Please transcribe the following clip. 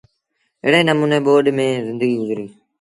ايڙي نموٚني ٻوڏ ميݩ زندگيٚ گزريٚ۔